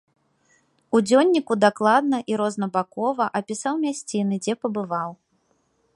У дзённіку дакладна і рознабакова апісаў мясціны, дзе пабываў.